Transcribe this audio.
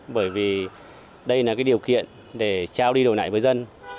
bởi vì đây là điều kiện để trao đi đổi lại với dân